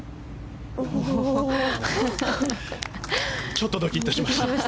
ちょっとドキッとしました。